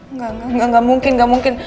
enggak enggak enggak mungkin